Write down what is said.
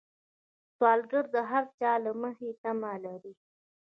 سوالګر د هر چا له مخې تمه لري